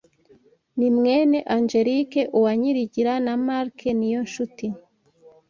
Ni mwene Angelique Uwanyirigira na Marc Niyonshuti